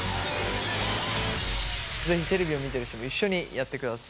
是非テレビを見てる人も一緒にやってください。